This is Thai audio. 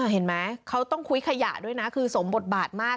เห็นไหมเขาต้องคุ้ยขยะด้วยนะคือสมบทบาทมาก